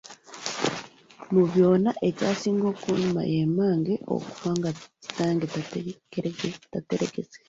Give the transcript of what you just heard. Mu byonna ekyasinga okunnuma ye mmange okufa nga Kitange tategeerekese.